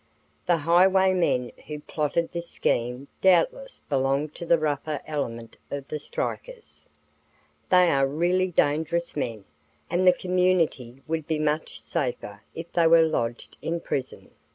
"The highwaymen who plotted this scheme doubtless belong to the rougher element of the strikers. They are really dangerous men, and the community would be much safer if they were lodged in prison."